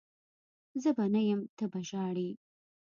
زه به نه یم ته به ژاړي